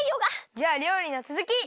じゃありょうりのつづき！